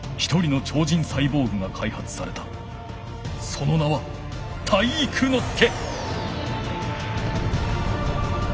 その名は体育ノ介！